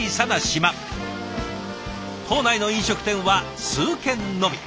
島内の飲食店は数軒のみ。